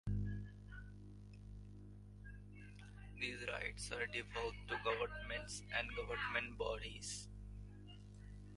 These rights are devolved to governments and government bodies.